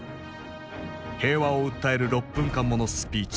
平和を訴える６分間ものスピーチ。